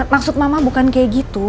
maksud mama bukan kayak gitu